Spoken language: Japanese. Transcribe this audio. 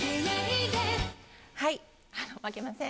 あの、負けません。